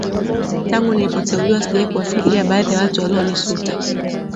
Tangu nilipoteuliwa sijawahi kuwafikiria baadhi ya watu walionisuta